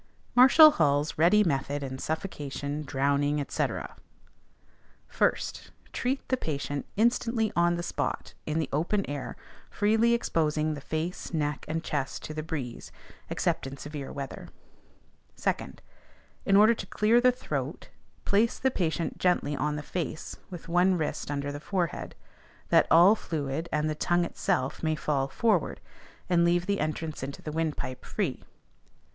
MARSHALL HALL'S READY METHOD IN SUFFOCATION, DROWNING, ETC. 1st, Treat the patient instantly on the spot, in the open air, freely exposing the face, neck, and chest to the breeze, except in severe weather. 2d, In order to clear the throat, place the patient gently on the face, with one wrist under the forehead, that all fluid, and the tongue itself, may fall forward, and leave the entrance into the windpipe free.